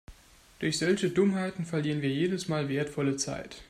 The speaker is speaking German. Durch solche Dummheiten verlieren wir jedes Mal wertvolle Zeit.